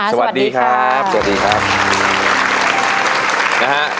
สวัสดีครับสวัสดีครับสวัสดีครับนะฮะ